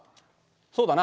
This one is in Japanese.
そうだな。